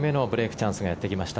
チャンスがやってきました